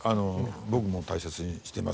「僕も大切にしてます。